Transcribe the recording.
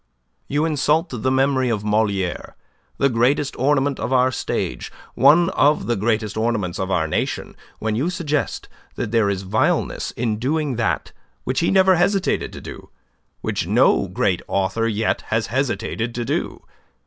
"You insult the memory of Moliere, the greatest ornament of our stage, one of the greatest ornaments of our nation, when you suggest that there is vileness in doing that which he never hesitated to do, which no great author yet has hesitated to do.